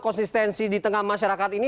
konsistensi di tengah masyarakat ini